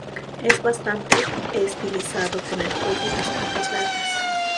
Es bastante estilizado, con el cuello y las patas largas.